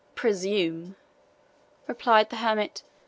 "Presume!" repeated the hermit.